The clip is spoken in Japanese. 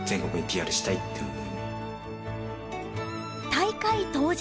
大会当日。